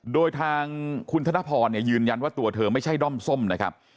โดยทางคุณธนพรยืนยันว่าตัวเธอไม่ใช่ด้อมส้มนะครับ